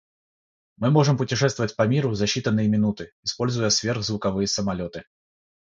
Мы можем путешествовать по миру за считанные минуты, используя сверхзвуковые самолеты.